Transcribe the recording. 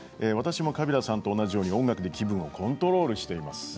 カビラさんと同じように気分をコントロールしています。